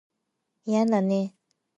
いやだね